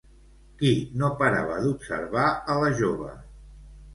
Qui no parava d'observar a la jove?